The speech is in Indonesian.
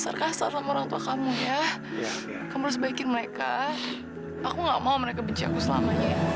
saat itu khristo selesai penghurtu diri perlu seterusnya dibesarkan ya khristo